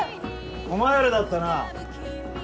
お前らだったな。